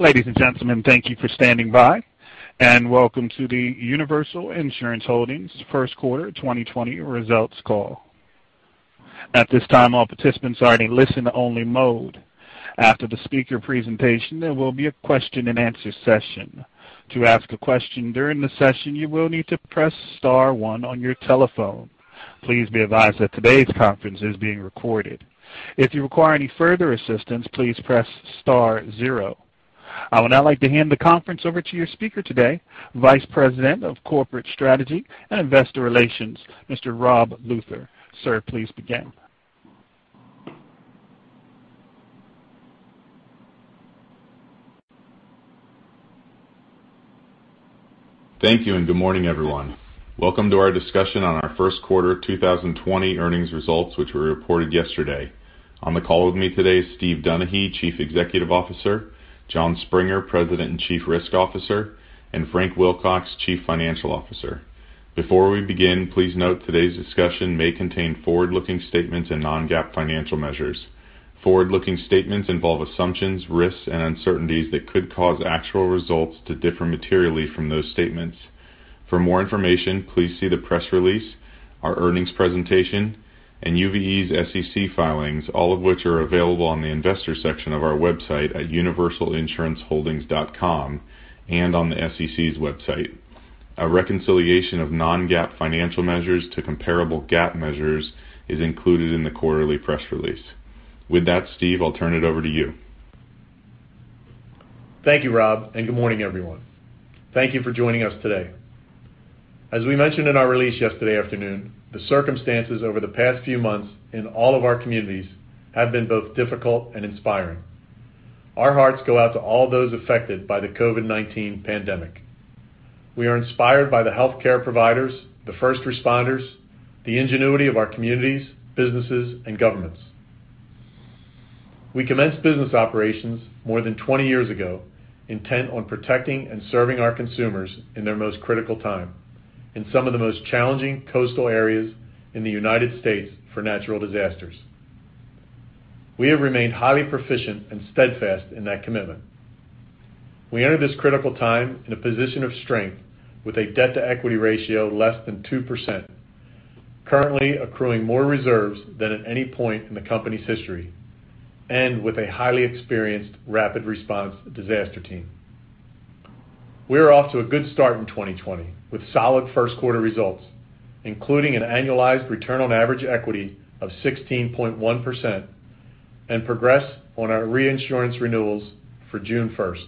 Ladies and gentlemen, thank you for standing by. Welcome to the Universal Insurance Holdings First Quarter 2020 Results Call. At this time, all participants are in listen-only mode. After the speaker presentation, there will be a question-and-answer session. To ask a question during the session, you will need to press star one on your telephone. Please be advised that today's conference is being recorded. If you require any further assistance, please press star zero. I would now like to hand the conference over to your speaker today, Vice President of Corporate Strategy and Investor Relations, Mr. Rob Luther. Sir, please begin. Thank you. Good morning, everyone. Welcome to our discussion on our first quarter of 2020 earnings results, which were reported yesterday. On the call with me today is Stephen Donaghy, Chief Executive Officer, Jon Springer, President and Chief Risk Officer, and Frank Wilcox, Chief Financial Officer. Before we begin, please note today's discussion may contain forward-looking statements and non-GAAP financial measures. Forward-looking statements involve assumptions, risks, and uncertainties that could cause actual results to differ materially from those statements. For more information, please see the press release, our earnings presentation, and UVE's SEC filings, all of which are available on the investor section of our website at universalinsuranceholdings.com and on the SEC's website. A reconciliation of non-GAAP financial measures to comparable GAAP measures is included in the quarterly press release. With that, Steve, I'll turn it over to you. Thank you, Rob. Good morning, everyone. Thank you for joining us today. As we mentioned in our release yesterday afternoon, the circumstances over the past few months in all of our communities have been both difficult and inspiring. Our hearts go out to all those affected by the COVID-19 pandemic. We are inspired by the healthcare providers, the first responders, the ingenuity of our communities, businesses, and governments. We commenced business operations more than 20 years ago intent on protecting and serving our consumers in their most critical time in some of the most challenging coastal areas in the United States for natural disasters. We have remained highly proficient and steadfast in that commitment. We enter this critical time in a position of strength with a debt-to-equity ratio less than 2%, currently accruing more reserves than at any point in the company's history, and with a highly experienced rapid response disaster team. We are off to a good start in 2020 with solid first quarter results, including an annualized return on average equity of 16.1% and progress on our reinsurance renewals for June 1st.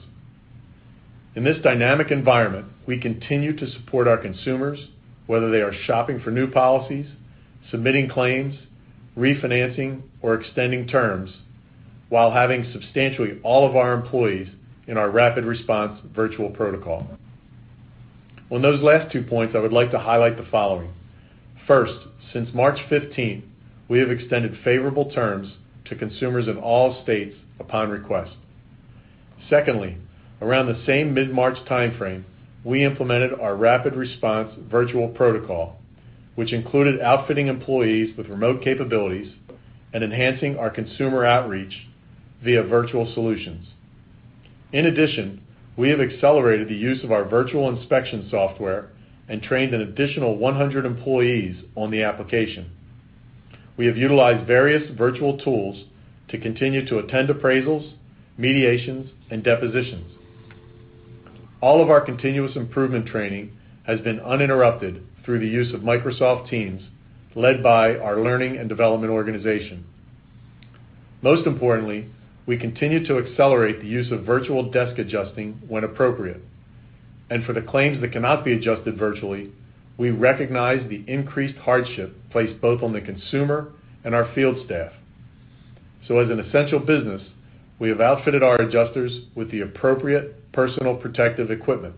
In this dynamic environment, we continue to support our consumers, whether they are shopping for new policies, submitting claims, refinancing, or extending terms while having substantially all of our employees in our rapid response virtual protocol. On those last two points, I would like to highlight the following. First, since March 15, we have extended favorable terms to consumers of all states upon request. Secondly, around the same mid-March timeframe, we implemented our rapid response virtual protocol, which included outfitting employees with remote capabilities and enhancing our consumer outreach via virtual solutions. In addition, we have accelerated the use of our virtual inspection software and trained an additional 100 employees on the application. We have utilized various virtual tools to continue to attend appraisals, mediations, and depositions. All of our continuous improvement training has been uninterrupted through the use of Microsoft Teams led by our learning and development organization. Most importantly, we continue to accelerate the use of virtual desk adjusting when appropriate. For the claims that cannot be adjusted virtually, we recognize the increased hardship placed both on the consumer and our field staff. As an essential business, we have outfitted our adjusters with the appropriate personal protective equipment.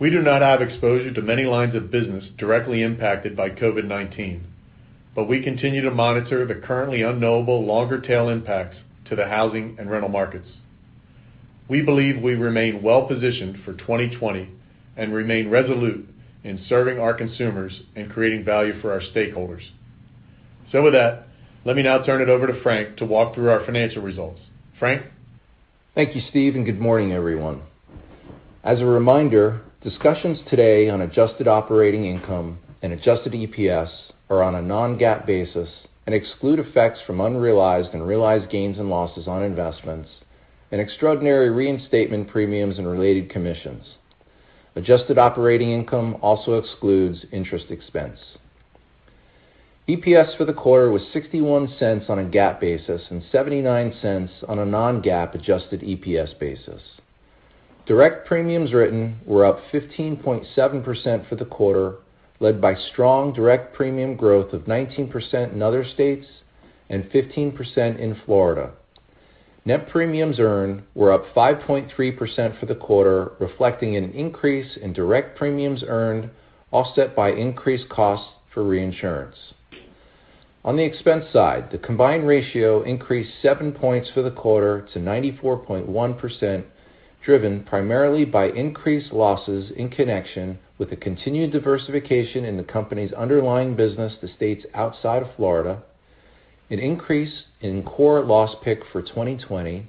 We do not have exposure to many lines of business directly impacted by COVID-19, but we continue to monitor the currently unknowable longer tail impacts to the housing and rental markets. We believe we remain well-positioned for 2020 and remain resolute in serving our consumers and creating value for our stakeholders. With that, let me now turn it over to Frank to walk through our financial results. Frank? Thank you, Steve, and good morning, everyone. As a reminder, discussions today on adjusted operating income and adjusted EPS are on a non-GAAP basis and exclude effects from unrealized and realized gains and losses on investments and extraordinary reinstatement premiums and related commissions. Adjusted operating income also excludes interest expense. EPS for the quarter was $0.61 on a GAAP basis and $0.79 on a non-GAAP adjusted EPS basis. Direct premiums written were up 15.7% for the quarter, led by strong direct premium growth of 19% in other states and 15% in Florida. Net premiums earned were up 5.3% for the quarter, reflecting an increase in direct premiums earned offset by increased costs for reinsurance. On the expense side, the combined ratio increased seven points for the quarter to 94.1%, driven primarily by increased losses in connection with the continued diversification in the company's underlying business to states outside of Florida. An increase in core loss pick for 2020.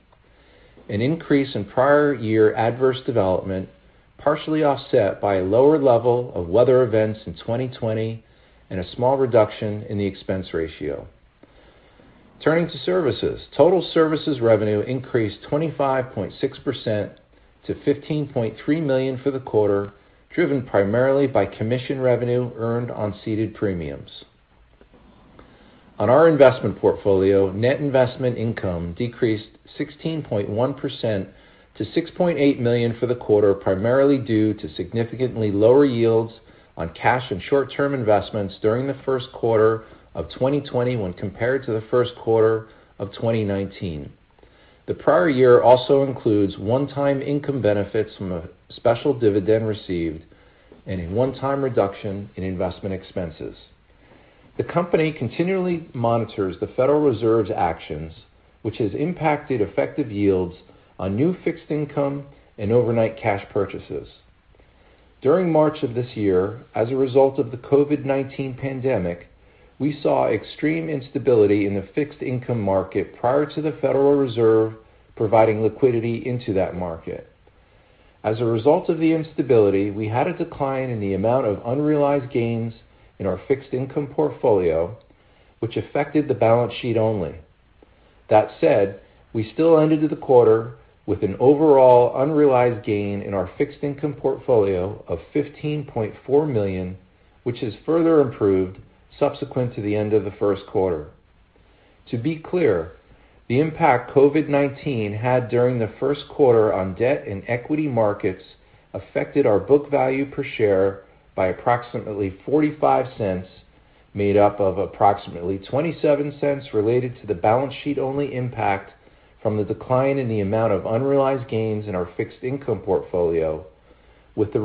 An increase in prior year adverse development, partially offset by a lower level of weather events in 2020, and a small reduction in the expense ratio. Turning to services. Total services revenue increased 25.6% to $15.3 million for the quarter, driven primarily by commission revenue earned on ceded premiums. On our investment portfolio, net investment income decreased 16.1% to $6.8 million for the quarter, primarily due to significantly lower yields on cash and short-term investments during the first quarter of 2020 when compared to the first quarter of 2019. The prior year also includes one-time income benefits from a special dividend received and a one-time reduction in investment expenses. The company continually monitors the Federal Reserve's actions, which has impacted effective yields on new fixed income and overnight cash purchases. During March of this year, as a result of the COVID-19 pandemic, we saw extreme instability in the fixed income market prior to the Federal Reserve providing liquidity into that market. As a result of the instability, we had a decline in the amount of unrealized gains in our fixed income portfolio, which affected the balance sheet only. That said, we still ended the quarter with an overall unrealized gain in our fixed income portfolio of $15.4 million, which has further improved subsequent to the end of the first quarter. To be clear, the impact COVID-19 had during the first quarter on debt and equity markets affected our book value per share by approximately $0.45, made up of approximately $0.27 related to the balance sheet only impact from the decline in the amount of unrealized gains in our fixed income portfolio. With the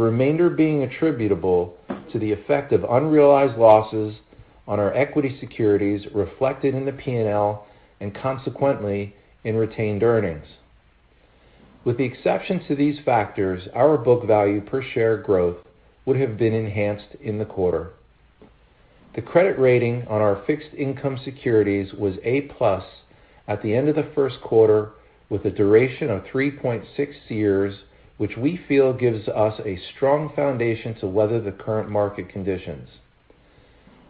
exceptions to these factors, our book value per share growth would have been enhanced in the quarter. The credit rating on our fixed income securities was A+ at the end of the first quarter, with a duration of 3.6 years, which we feel gives us a strong foundation to weather the current market conditions.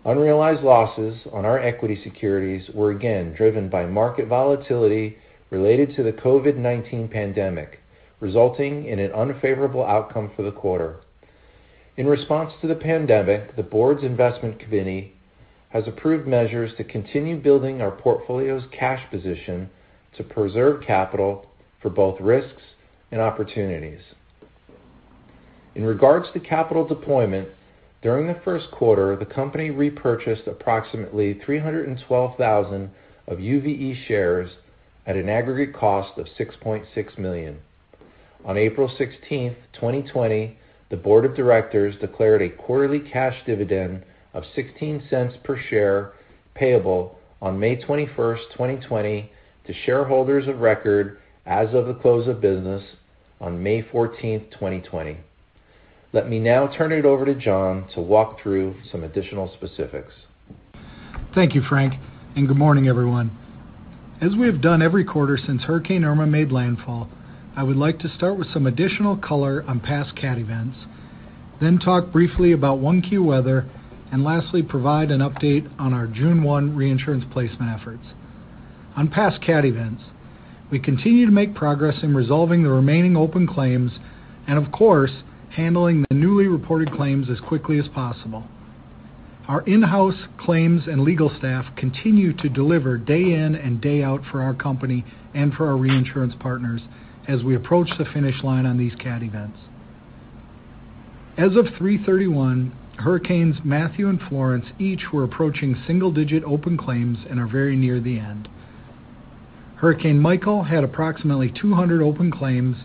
Unrealized losses on our equity securities were again driven by market volatility related to the COVID-19 pandemic, resulting in an unfavorable outcome for the quarter. In response to the pandemic, the board's investment committee has approved measures to continue building our portfolio's cash position to preserve capital for both risks and opportunities. In regards to capital deployment, during the first quarter, the company repurchased approximately 312,000 of UVE shares at an aggregate cost of $6.6 million. On April 16th, 2020, the board of directors declared a quarterly cash dividend of $0.16 per share payable on May 21st, 2020 to shareholders of record as of the close of business on May 14th, 2020. Let me now turn it over to Jon to walk through some additional specifics. Thank you, Frank. Good morning, everyone. As we have done every quarter since Hurricane Irma made landfall, I would like to start with some additional color on past cat events, then talk briefly about 1Q weather, and lastly, provide an update on our June 1 reinsurance placement efforts. On past cat events, we continue to make progress in resolving the remaining open claims and, of course, handling the newly reported claims as quickly as possible. Our in-house claims and legal staff continue to deliver day in and day out for our company and for our reinsurance partners as we approach the finish line on these cat events. As of 3/31, Hurricanes Matthew and Florence each were approaching single-digit open claims and are very near the end. Hurricane Michael had approximately 200 open claims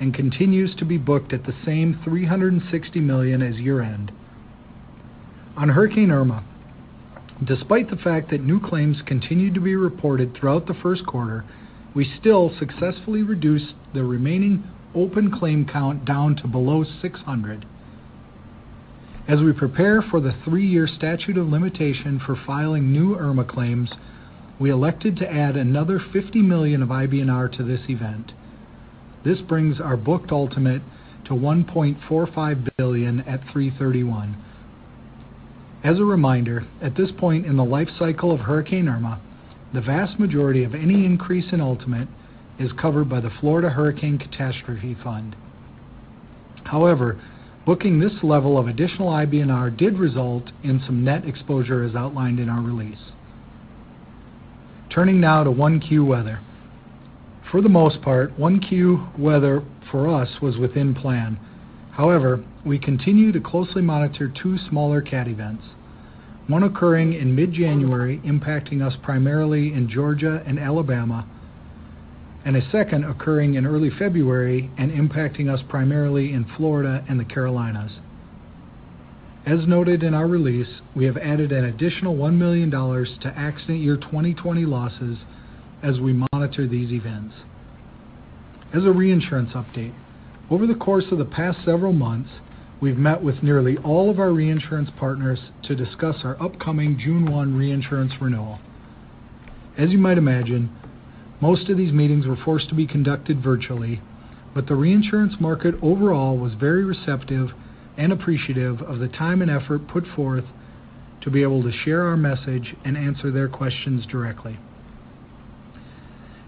and continues to be booked at the same $360 million as year-end. On Hurricane Irma, despite the fact that new claims continued to be reported throughout the first quarter, we still successfully reduced the remaining open claim count down to below 600. As we prepare for the three-year statute of limitation for filing new Irma claims, we elected to add another $50 million of IBNR to this event. This brings our booked ultimate to $1.45 billion at 3/31. As a reminder, at this point in the life cycle of Hurricane Irma, the vast majority of any increase in ultimate is covered by the Florida Hurricane Catastrophe Fund. However, booking this level of additional IBNR did result in some net exposure as outlined in our release. Turning now to 1Q weather. For the most part, 1Q weather for us was within plan. We continue to closely monitor two smaller cat events, one occurring in mid-January impacting us primarily in Georgia and Alabama, and a second occurring in early February and impacting us primarily in Florida and the Carolinas. As noted in our release, we have added an additional $1 million to accident year 2020 losses as we monitor these events. As a reinsurance update, over the course of the past several months, we've met with nearly all of our reinsurance partners to discuss our upcoming June 1 reinsurance renewal. You might imagine, most of these meetings were forced to be conducted virtually, the reinsurance market overall was very receptive and appreciative of the time and effort put forth to be able to share our message and answer their questions directly.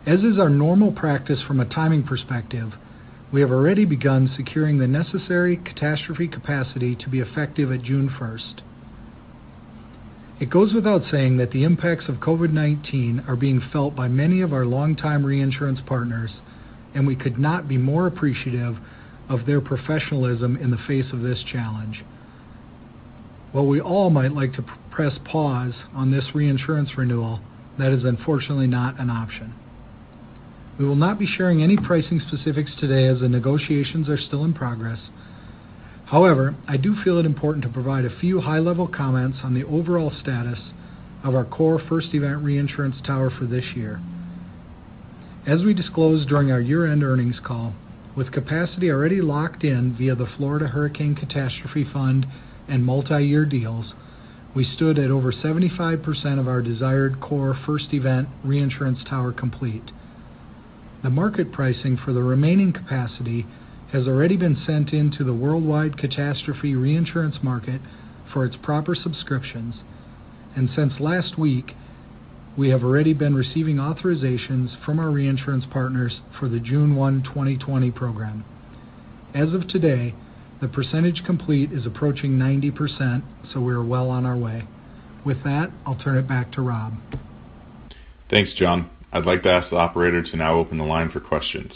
As is our normal practice from a timing perspective, we have already begun securing the necessary catastrophe capacity to be effective at June 1st. It goes without saying that the impacts of COVID-19 are being felt by many of our longtime reinsurance partners, we could not be more appreciative of their professionalism in the face of this challenge. We all might like to press pause on this reinsurance renewal, that is unfortunately not an option. We will not be sharing any pricing specifics today as the negotiations are still in progress. I do feel it important to provide a few high-level comments on the overall status of our core first event reinsurance tower for this year. We disclosed during our year-end earnings call, with capacity already locked in via the Florida Hurricane Catastrophe Fund and multi-year deals, we stood at over 75% of our desired core first event reinsurance tower complete. The market pricing for the remaining capacity has already been sent in to the worldwide catastrophe reinsurance market for its proper subscriptions, since last week, we have already been receiving authorizations from our reinsurance partners for the June 1, 2020 program. As of today, the percentage complete is approaching 90%, we are well on our way. I'll turn it back to Rob. Thanks, Jon. I'd like to ask the operator to now open the line for questions.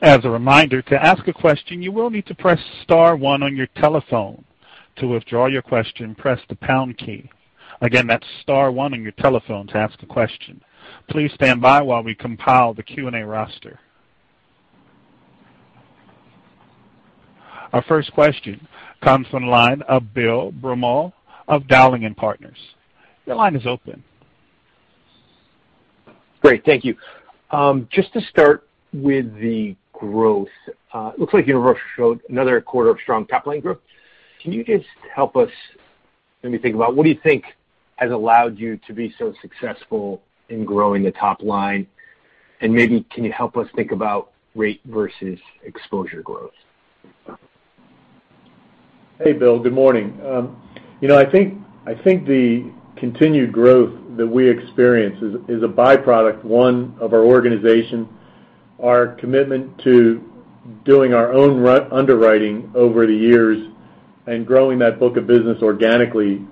As a reminder, to ask a question, you will need to press star one on your telephone. To withdraw your question, press the pound key. Again, that's star one on your telephone to ask a question. Please stand by while we compile the Q&A roster. Our first question comes from the line of Bill Broomall of Dowling & Partners. Your line is open. Great. Thank you. Just to start with the growth, looks like Universal showed another quarter of strong top-line growth. Can you just help us maybe think about what do you think has allowed you to be so successful in growing the top line? Maybe can you help us think about rate versus exposure growth? Hey, Bill. Good morning. I think the continued growth that we experience is a byproduct, one, of our organization, our commitment to doing our own underwriting over the years and growing that book of business organically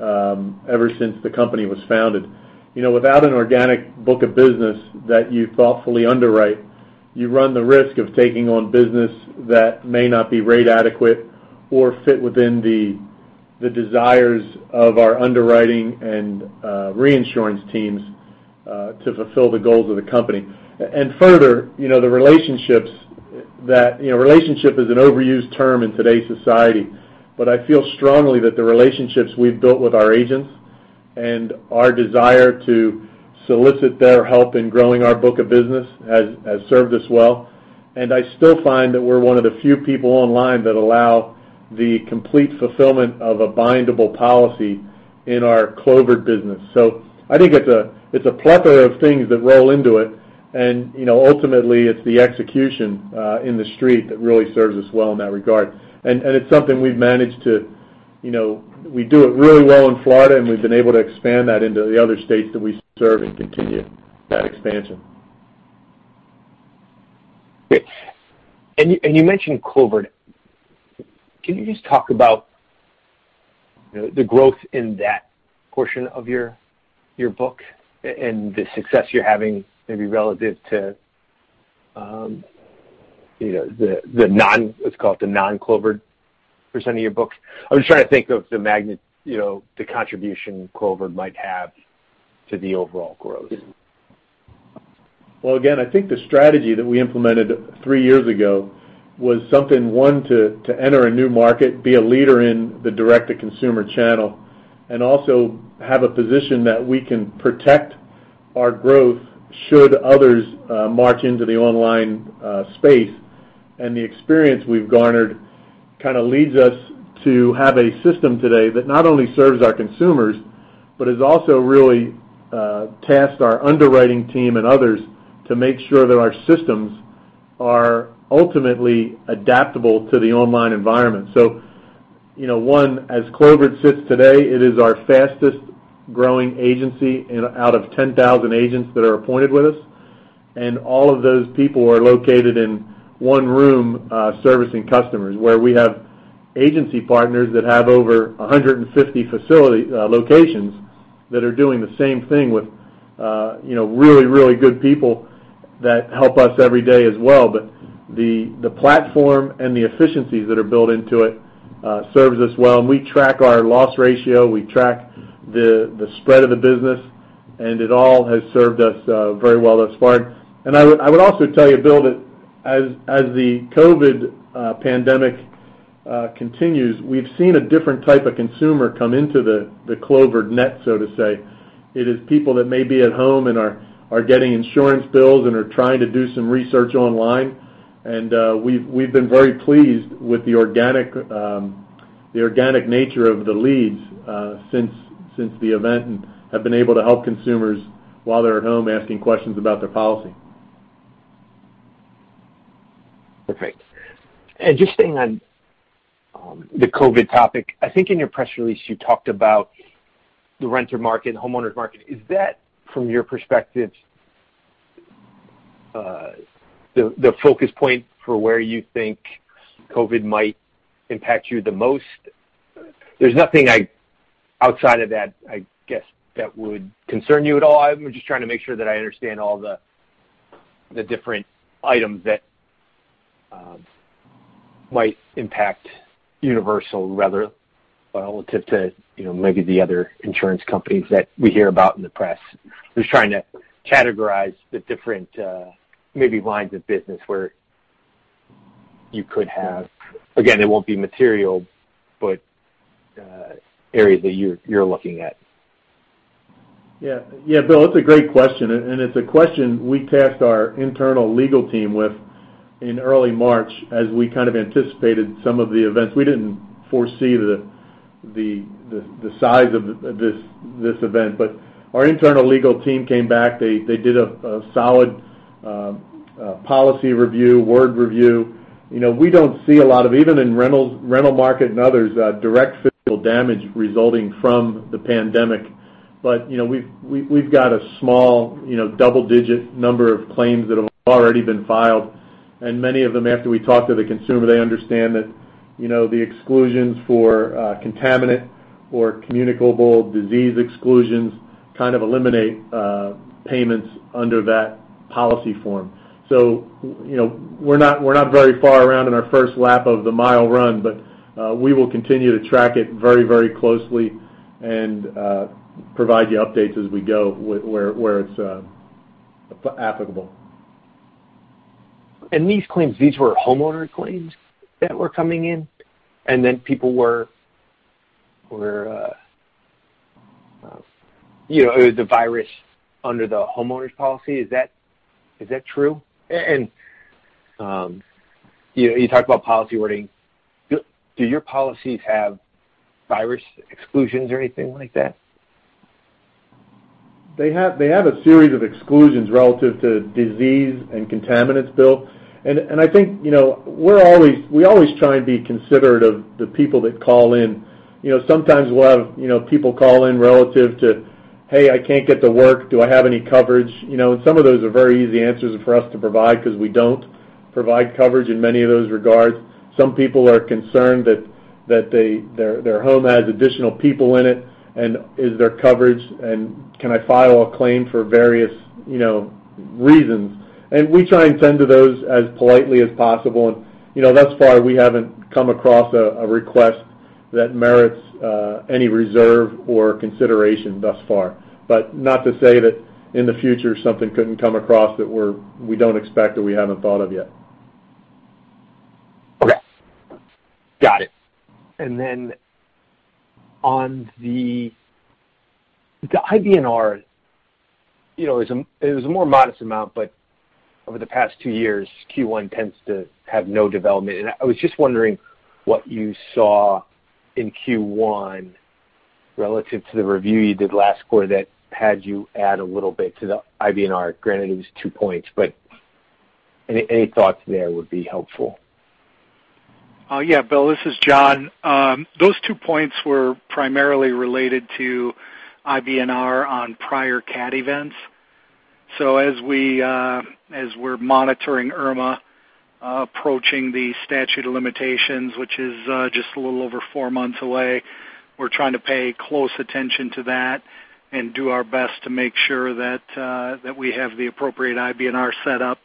ever since the company was founded. Without an organic book of business that you thoughtfully underwrite, you run the risk of taking on business that may not be rate adequate or fit within the desires of our underwriting and reinsurance teams to fulfill the goals of the company. Further, Relationship is an overused term in today's society, but I feel strongly that the relationships we've built with our agents and our desire to solicit their help in growing our book of business has served us well. I still find that we're one of the few people online that allow the complete fulfillment of a bindable policy in our Clovered business. I think it's a plethora of things that roll into it, and ultimately, it's the execution in the street that really serves us well in that regard. We do it really well in Florida, and we've been able to expand that into the other states that we serve and continue that expansion. Great. You mentioned Clovered. Can you just talk about the growth in that portion of your book and the success you're having maybe relative to let's call it the non-Clovered % of your book? I'm just trying to think of the magnitude, the contribution Clovered might have to the overall growth. Well, again, I think the strategy that we implemented three years ago was something, one, to enter a new market, be a leader in the direct-to-consumer channel, and also have a position that we can protect our growth should others march into the online space. The experience we've garnered kind of leads us to have a system today that not only serves our consumers but has also really tasked our underwriting team and others to make sure that our systems are ultimately adaptable to the online environment. One, as Clovered sits today, it is our fastest growing agency out of 10,000 agents that are appointed with us, and all of those people are located in one room servicing customers, where we have agency partners that have over 150 facility locations that are doing the same thing with really good people that help us every day as well. The platform and the efficiencies that are built into it serves us well. We track our loss ratio, we track the spread of the business, and it all has served us very well thus far. I would also tell you, Bill, that as the COVID-19 pandemic continues. We've seen a different type of consumer come into the Clovered net, so to say. It is people that may be at home and are getting insurance bills and are trying to do some research online. We've been very pleased with the organic nature of the leads since the event, and have been able to help consumers while they're at home asking questions about their policy. Perfect. Just staying on the COVID topic, I think in your press release you talked about the renter market, homeowners market. Is that, from your perspective, the focus point for where you think COVID might impact you the most? There's nothing outside of that, I guess, that would concern you at all. I'm just trying to make sure that I understand all the different items that might impact Universal rather well relative to maybe the other insurance companies that we hear about in the press. Just trying to categorize the different maybe lines of business. Again, it won't be material, but areas that you're looking at. Yeah, Bill, that's a great question. It's a question we tasked our internal legal team with in early March as we kind of anticipated some of the events. We didn't foresee the size of this event, our internal legal team came back. They did a solid policy review, word review. We don't see a lot of, even in rental market and others, direct physical damage resulting from the pandemic. We've got a small double-digit number of claims that have already been filed, and many of them, after we talk to the consumer, they understand that the exclusions for contaminant or communicable disease exclusions kind of eliminate payments under that policy form. We're not very far around in our first lap of the mile run, but we will continue to track it very closely and provide you updates as we go where it's applicable. These claims, these were homeowners claims that were coming in. It was the virus under the homeowners policy, is that true? You talked about policy wording. Do your policies have virus exclusions or anything like that? They have a series of exclusions relative to disease and contaminants, Bill. I think we always try and be considerate of the people that call in. Sometimes we'll have people call in relative to, "Hey, I can't get to work. Do I have any coverage?" Some of those are very easy answers for us to provide because we don't provide coverage in many of those regards. Some people are concerned that their home has additional people in it and is there coverage, and can I file a claim for various reasons. We try and tend to those as politely as possible, and thus far, we haven't come across a request that merits any reserve or consideration thus far, but not to say that in the future, something couldn't come across that we don't expect or we haven't thought of yet. Okay. Got it. On the IBNR, it was a more modest amount, over the past two years, Q1 tends to have no development. I was just wondering what you saw in Q1 relative to the review you did last quarter that had you add a little bit to the IBNR. Granted, it was 2 points, any thoughts there would be helpful. Yeah, Bill, this is Jon. Those 2 points were primarily related to IBNR on prior CAT events. As we're monitoring Irma approaching the statute of limitations, which is just a little over four months away, we're trying to pay close attention to that and do our best to make sure that we have the appropriate IBNR set up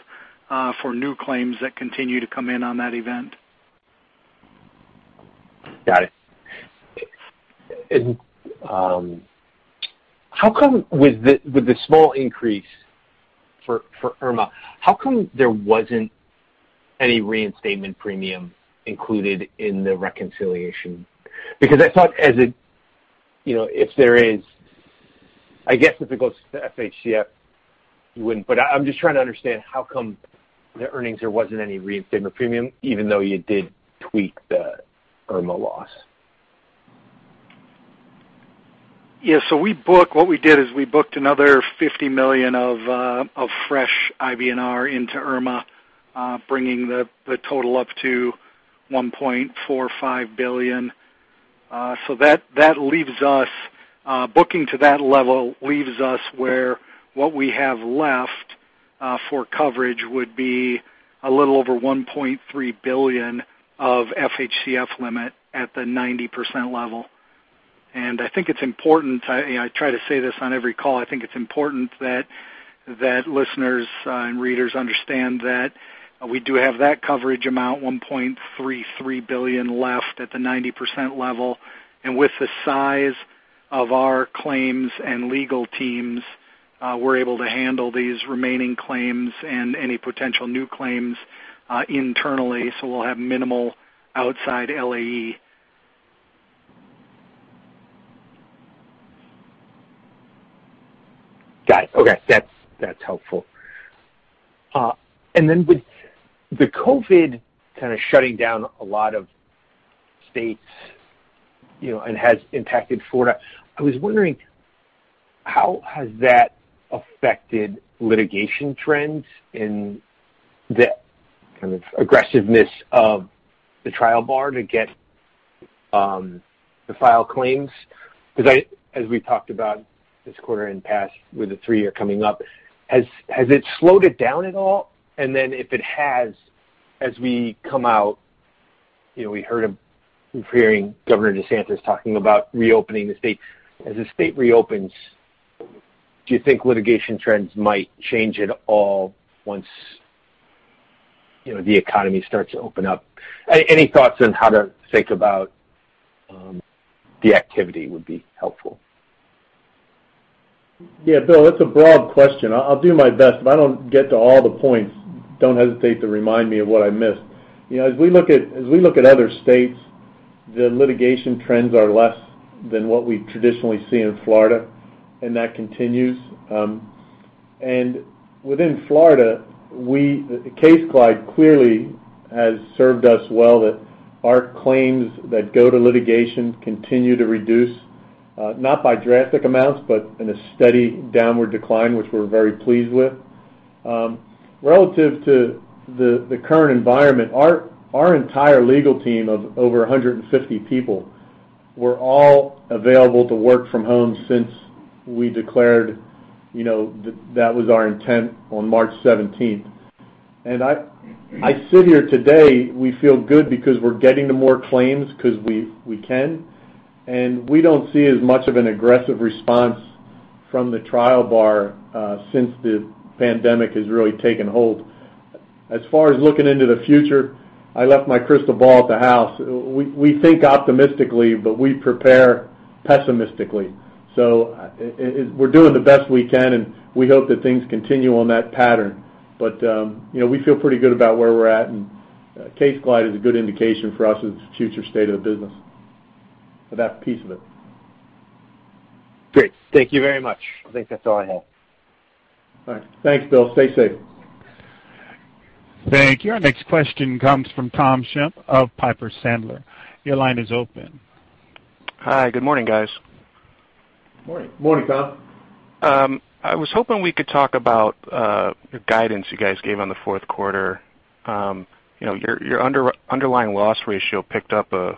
for new claims that continue to come in on that event. Got it. With the small increase for Irma, how come there wasn't any reinstatement premium included in the reconciliation? I thought I guess if it goes to FHCF, you wouldn't. I'm just trying to understand how come the earnings, there wasn't any reinstatement premium, even though you did tweak the Irma loss. Yeah. What we did is we booked another $50 million of fresh IBNR into Irma, bringing the total up to $1.45 billion. Booking to that level leaves us where what we have left for coverage would be a little over $1.3 billion of FHCF limit at the 90% level. I try to say this on every call, I think it's important that listeners and readers understand that we do have that coverage amount, $1.33 billion left at the 90% level. With the size of our claims and legal teams We're able to handle these remaining claims and any potential new claims internally, so we'll have minimal outside LAE. Got it. Okay. That's helpful. With the COVID kind of shutting down a lot of states, and has impacted Florida, I was wondering, how has that affected litigation trends in the kind of aggressiveness of the trial bar to get the file claims? As we talked about this quarter and past, with the three-year coming up, has it slowed it down at all? If it has, as we come out, we've hearing Governor DeSantis talking about reopening the state. As the state reopens, do you think litigation trends might change at all once the economy starts to open up? Any thoughts on how to think about the activity would be helpful. Yeah. Bill, that's a broad question. I'll do my best. If I don't get to all the points, don't hesitate to remind me of what I missed. As we look at other states, the litigation trends are less than what we traditionally see in Florida, and that continues. Within Florida, CaseGlide clearly has served us well that our claims that go to litigation continue to reduce, not by drastic amounts, but in a steady downward decline, which we're very pleased with. Relative to the current environment, our entire legal team of over 150 people were all available to work from home since we declared that was our intent on March 17th. I sit here today, we feel good because we're getting to more claims because we can, and we don't see as much of an aggressive response from the trial bar since the pandemic has really taken hold. As far as looking into the future, I left my crystal ball at the house. We think optimistically, but we prepare pessimistically. We're doing the best we can, and we hope that things continue on that pattern. We feel pretty good about where we're at, and CaseGlide is a good indication for us as the future state of the business for that piece of it. Great. Thank you very much. I think that's all I have. All right. Thanks, Bill. Stay safe. Thank you. Our next question comes from Thomas Shimp of Piper Sandler. Your line is open. Hi. Good morning, guys. Morning. Morning, Tom. I was hoping we could talk about the guidance you guys gave on the fourth quarter. Your underlying loss ratio picked up a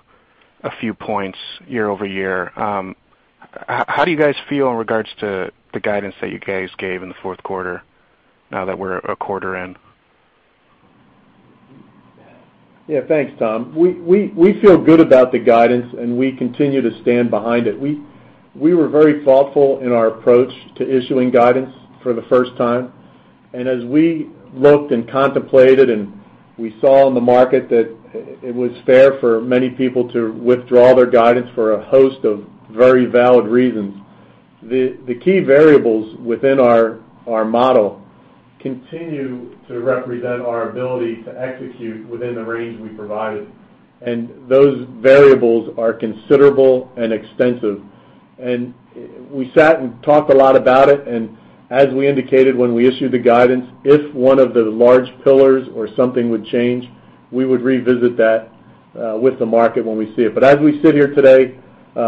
few points year-over-year. How do you guys feel in regards to the guidance that you guys gave in the fourth quarter now that we're a quarter in? Yeah. Thanks, Tom. We feel good about the guidance, and we continue to stand behind it. We were very thoughtful in our approach to issuing guidance for the first time. As we looked and contemplated, and we saw in the market that it was fair for many people to withdraw their guidance for a host of very valid reasons, the key variables within our model continue to represent our ability to execute within the range we provided. Those variables are considerable and extensive. We sat and talked a lot about it, and as we indicated when we issued the guidance, if one of the large pillars or something would change, we would revisit that with the market when we see it. As we sit here today,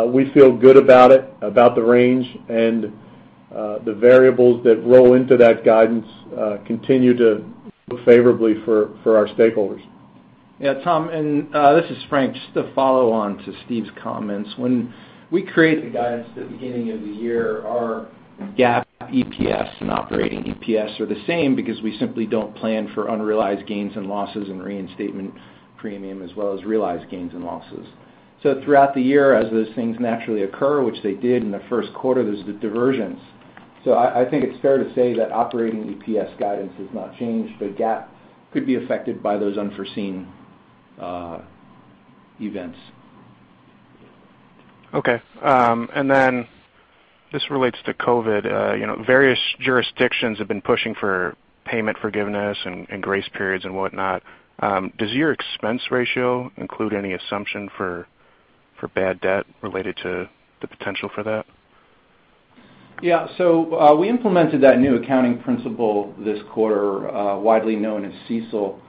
we feel good about it, about the range. The variables that roll into that guidance continue to look favorably for our stakeholders. Yeah. Tom, and this is Frank. Just to follow on to Steve's comments. When we create the guidance at the beginning of the year, our GAAP EPS and operating EPS are the same because we simply don't plan for unrealized gains and losses and reinstatement premium as well as realized gains and losses. Throughout the year, as those things naturally occur, which they did in the first quarter, there's the divergence. I think it's fair to say that operating EPS guidance has not changed, but GAAP could be affected by those unforeseen events. Okay. This relates to COVID. Various jurisdictions have been pushing for payment forgiveness and grace periods and whatnot. Does your expense ratio include any assumption for bad debt related to the potential for that? Yeah. We implemented that new accounting principle this quarter, widely known as CECL.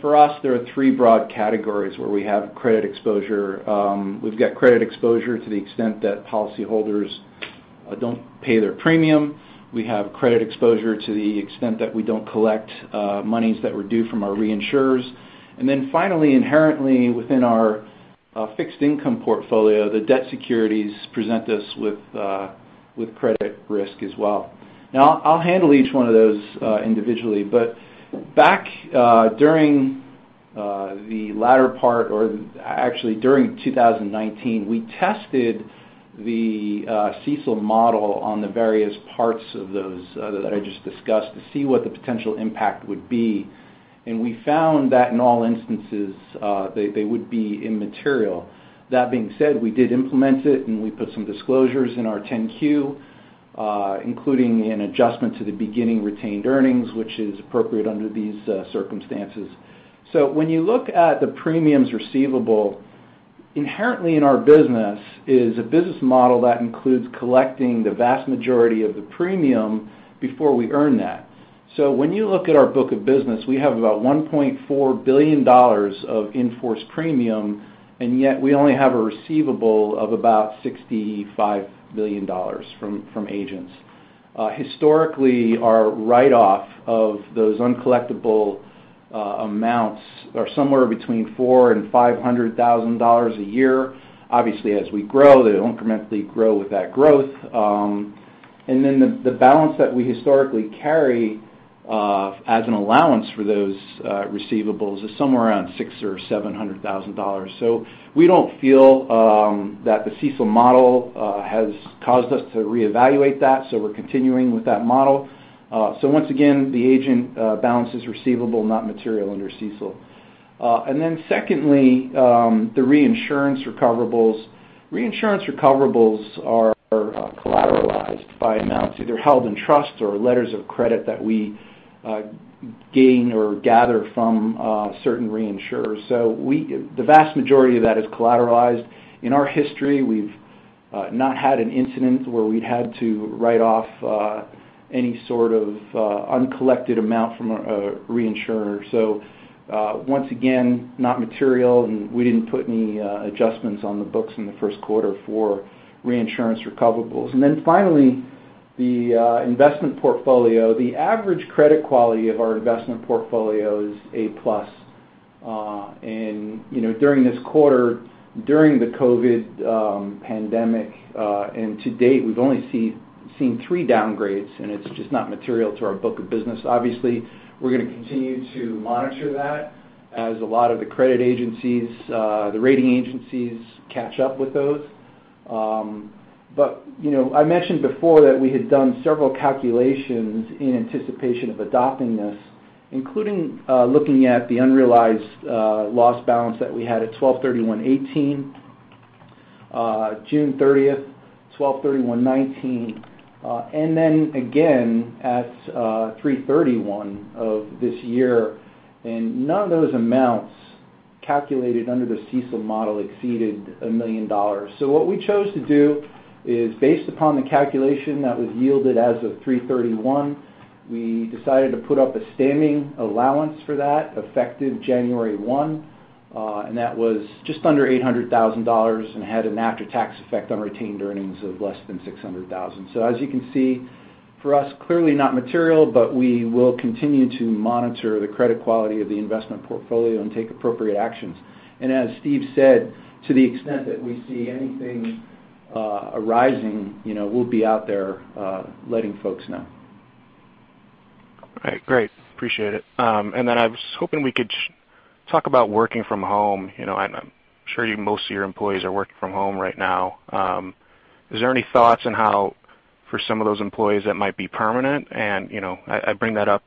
For us, there are three broad categories where we have credit exposure. We've got credit exposure to the extent that policyholders don't pay their premium. We have credit exposure to the extent that we don't collect monies that were due from our reinsurers. Finally, inherently within our fixed income portfolio, the debt securities present us with credit risk as well. I'll handle each one of those individually. Back during the latter part or actually during 2019, we tested the CECL model on the various parts of those that I just discussed to see what the potential impact would be. We found that in all instances, they would be immaterial. That being said, we did implement it and we put some disclosures in our 10-Q, including an adjustment to the beginning retained earnings, which is appropriate under these circumstances. When you look at the premiums receivable, inherently in our business is a business model that includes collecting the vast majority of the premium before we earn that. When you look at our book of business, we have about $1.4 billion of in-force premium, and yet we only have a receivable of about $65 million from agents. Historically, our write-off of those uncollectible amounts are somewhere between $400,000 and $500,000 a year. Obviously, as we grow, they'll incrementally grow with that growth. The balance that we historically carry, as an allowance for those receivables, is somewhere around $600,000 or $700,000. We don't feel that the CECL model has caused us to reevaluate that, so we're continuing with that model. Once again, the agent balance is receivable, not material under CECL. Secondly, the reinsurance recoverables. Reinsurance recoverables are collateralized by amounts either held in trust or letters of credit that we gain or gather from certain reinsurers. The vast majority of that is collateralized. In our history, we've not had an incident where we'd had to write off any sort of uncollected amount from a reinsurer. Once again, not material, and we didn't put any adjustments on the books in the first quarter for reinsurance recoverables. Finally, the investment portfolio. The average credit quality of our investment portfolio is A-plus. During this quarter, during the COVID-19 pandemic, and to date, we've only seen three downgrades, and it's just not material to our book of business. Obviously, we're going to continue to monitor that as a lot of the credit agencies, the rating agencies catch up with those. I mentioned before that we had done several calculations in anticipation of adopting this, including looking at the unrealized loss balance that we had at 12/31/2018, June 30th, 12/31/2019, and then again at 03/31 of this year. None of those amounts calculated under the CECL model exceeded $1 million. What we chose to do is based upon the calculation that was yielded as of 03/31, we decided to put up a standing allowance for that effective January 1, and that was just under $800,000 and had an after-tax effect on retained earnings of less than $600,000. As you can see, for us, clearly not material, but we will continue to monitor the credit quality of the investment portfolio and take appropriate actions. As Stephen said, to the extent that we see anything arising, we'll be out there letting folks know. All right. Great. Appreciate it. I was hoping we could talk about working from home. I'm sure most of your employees are working from home right now. Is there any thoughts on how, for some of those employees, that might be permanent? I bring that up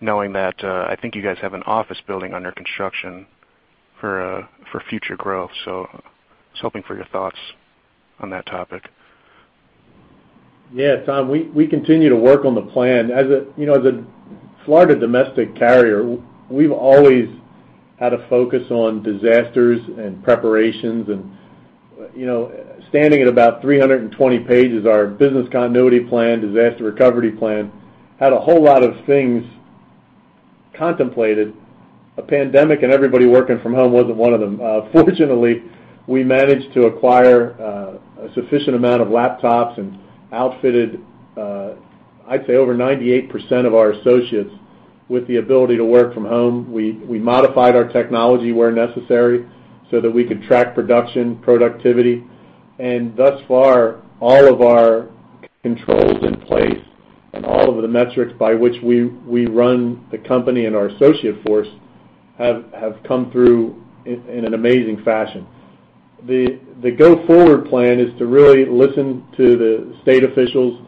knowing that I think you guys have an office building under construction for future growth. I was hoping for your thoughts on that topic. Yeah, Thomas, we continue to work on the plan. As a Florida domestic carrier, we've always had a focus on disasters and preparations. Standing at about 320 pages, our business continuity plan, disaster recovery plan, had a whole lot of things contemplated. A pandemic and everybody working from home wasn't one of them. Fortunately, we managed to acquire a sufficient amount of laptops and outfitted, I'd say, over 98% of our associates with the ability to work from home. We modified our technology where necessary so that we could track production, productivity. Thus far, all of our controls in place and all of the metrics by which we run the company and our associate force have come through in an amazing fashion. The go-forward plan is to really listen to the state officials,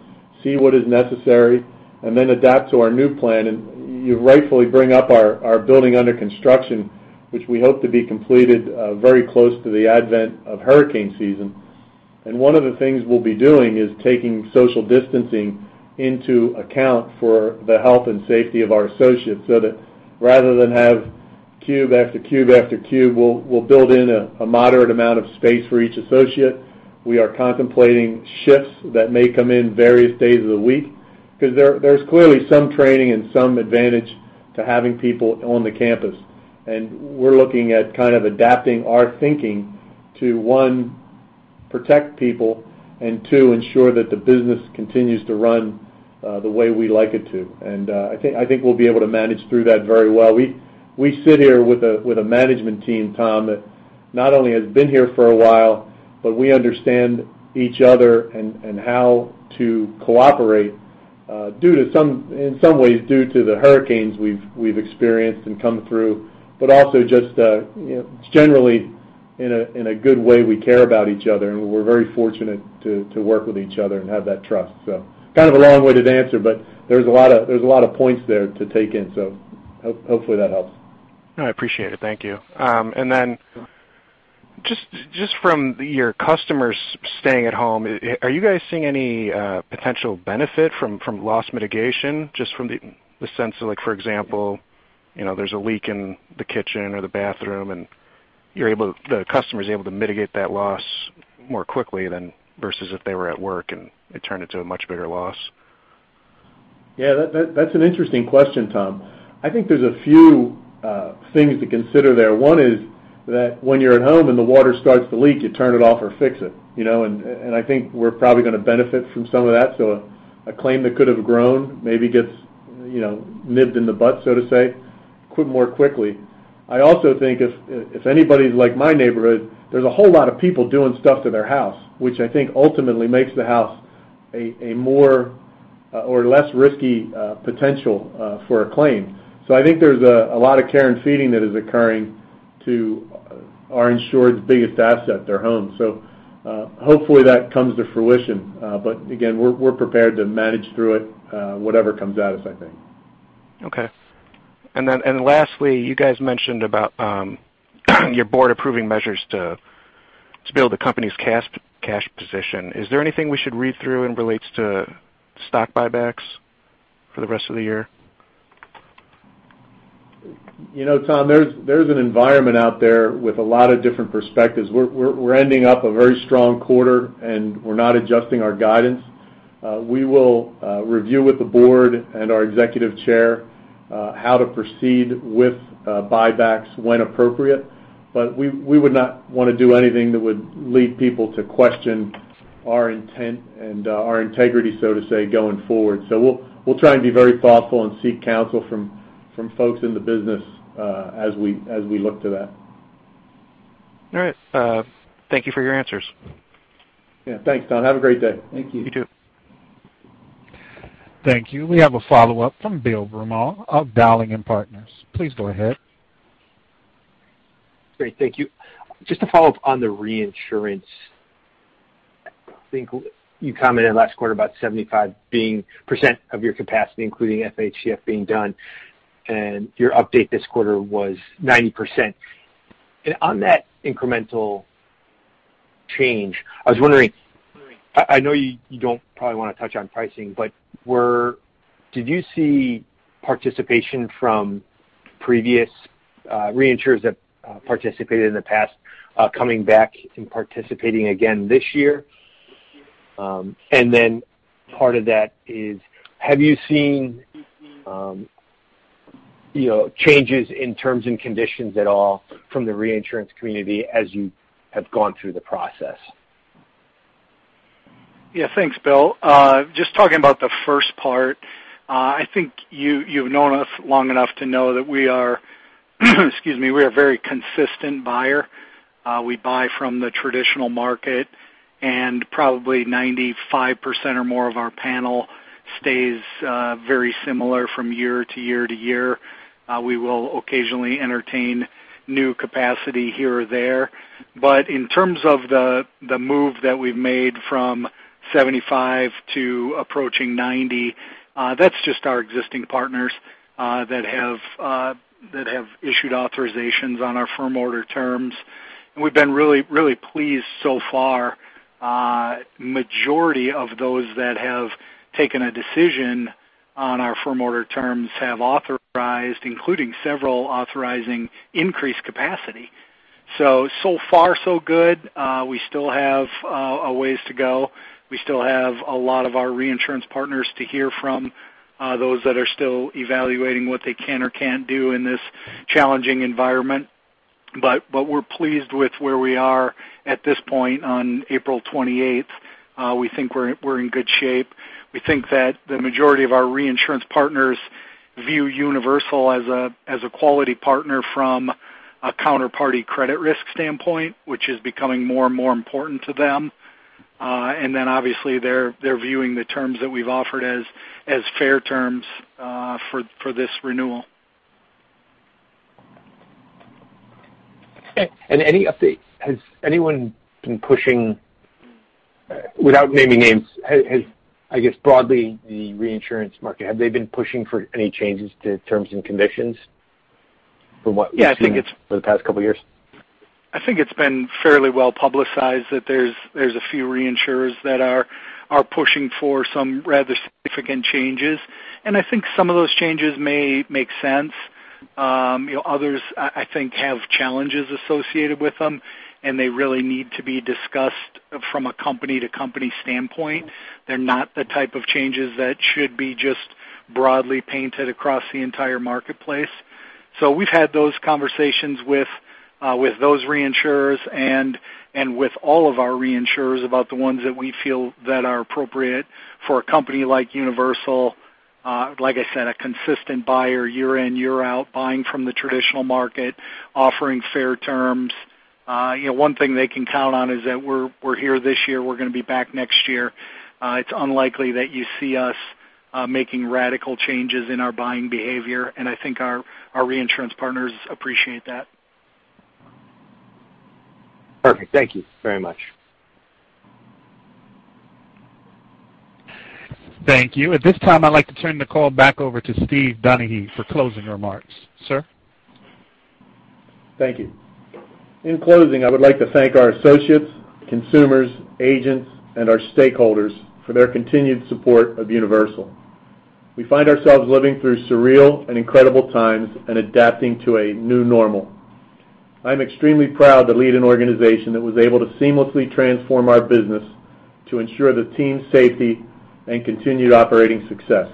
see what is necessary, and then adapt to our new plan. You rightfully bring up our building under construction, which we hope to be completed very close to the advent of hurricane season. One of the things we'll be doing is taking social distancing into account for the health and safety of our associates, so that rather than have cube after cube after cube, we'll build in a moderate amount of space for each associate. We are contemplating shifts that may come in various days of the week, because there's clearly some training and some advantage to having people on the campus. We're looking at kind of adapting our thinking to, one, protect people, and two, ensure that the business continues to run the way we like it to. I think we'll be able to manage through that very well. We sit here with a management team, Tom, that not only has been here for a while, we understand each other and how to cooperate in some ways due to the hurricanes we've experienced and come through, but also just generally In a good way, we care about each other, we're very fortunate to work with each other and have that trust. Kind of a long-winded answer, there's a lot of points there to take in. Hopefully that helps. No, I appreciate it. Thank you. Then just from your customers staying at home, are you guys seeing any potential benefit from loss mitigation? Just from the sense of, for example, there's a leak in the kitchen or the bathroom, the customer's able to mitigate that loss more quickly than versus if they were at work and it turned into a much bigger loss. Yeah, that's an interesting question, Tom. I think there's a few things to consider there. One is that when you're at home and the water starts to leak, you turn it off or fix it. I think we're probably going to benefit from some of that. A claim that could have grown maybe gets nipped in the bud, so to say, quite more quickly. I also think if anybody's like my neighborhood, there's a whole lot of people doing stuff to their house, which I think ultimately makes the house a more or less risky potential for a claim. I think there's a lot of care and feeding that is occurring to our insured's biggest asset, their home. Hopefully that comes to fruition. Again, we're prepared to manage through it, whatever comes at us, I think. Okay. Lastly, you guys mentioned about your board approving measures to build the company's cash position. Is there anything we should read through and relates to stock buybacks for the rest of the year? Tom, there's an environment out there with a lot of different perspectives. We're ending up a very strong quarter, and we're not adjusting our guidance. We will review with the board and our executive chair how to proceed with buybacks when appropriate. We would not want to do anything that would lead people to question our intent and our integrity, so to say, going forward. We'll try and be very thoughtful and seek counsel from folks in the business as we look to that. All right. Thank you for your answers. Yeah, thanks Tom. Have a great day. Thank you. You too. Thank you. We have a follow-up from Bill Broomall of Dowling & Partners Securities. Please go ahead. Great. Thank you. Just to follow up on the reinsurance, I think you commented last quarter about 75% of your capacity, including FHCF being done, your update this quarter was 90%. On that incremental change, I was wondering, I know you don't probably want to touch on pricing, but did you see participation from previous reinsurers that participated in the past coming back and participating again this year? Then part of that is, have you seen changes in terms and conditions at all from the reinsurance community as you have gone through the process? Yeah. Thanks, Bill. Just talking about the first part, I think you've known us long enough to know that we are a very consistent buyer. We buy from the traditional market, and probably 95% or more of our panel stays very similar from year to year to year. We will occasionally entertain new capacity here or there. In terms of the move that we've made from 75 to approaching 90, that's just our existing partners that have issued authorizations on our firm order terms. We've been really pleased so far. Majority of those that have taken a decision on our firm order terms have authorized, including several authorizing increased capacity. So far so good. We still have a ways to go. We still have a lot of our reinsurance partners to hear from, those that are still evaluating what they can or can't do in this challenging environment. We're pleased with where we are at this point on April 28th. We think we're in good shape. We think that the majority of our reinsurance partners view Universal as a quality partner from a counterparty credit risk standpoint, which is becoming more and more important to them. Obviously they're viewing the terms that we've offered as fair terms for this renewal. Any update, has anyone been pushing, without naming names, has, I guess, broadly the reinsurance market, have they been pushing for any changes to terms and conditions from what we've seen- Yeah. For the past couple of years? I think it's been fairly well-publicized that there's a few reinsurers that are pushing for some rather significant changes. I think some of those changes may make sense. Others, I think, have challenges associated with them, and they really need to be discussed from a company to company standpoint. They're not the type of changes that should be just broadly painted across the entire marketplace. We've had those conversations with those reinsurers and with all of our reinsurers about the ones that we feel that are appropriate for a company like Universal. Like I said, a consistent buyer year in, year out, buying from the traditional market, offering fair terms. One thing they can count on is that we're here this year, we're going to be back next year. It's unlikely that you see us making radical changes in our buying behavior, and I think our reinsurance partners appreciate that. Perfect. Thank you very much. Thank you. At this time, I'd like to turn the call back over to Stephen Donaghy for closing remarks. Sir? Thank you. In closing, I would like to thank our associates, consumers, agents, and our stakeholders for their continued support of Universal. We find ourselves living through surreal and incredible times and adapting to a new normal. I'm extremely proud to lead an organization that was able to seamlessly transform our business to ensure the team's safety and continued operating success.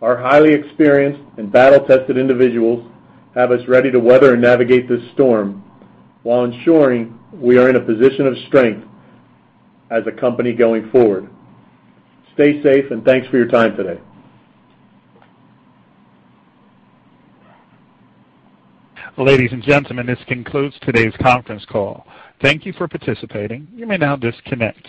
Our highly experienced and battle-tested individuals have us ready to weather and navigate this storm while ensuring we are in a position of strength as a company going forward. Stay safe, and thanks for your time today. Ladies and gentlemen, this concludes today's conference call. Thank you for participating. You may now disconnect.